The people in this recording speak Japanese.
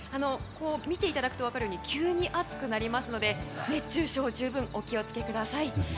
見ていただくと分かるように急に暑くなりますので熱中症に十分お気を付けください。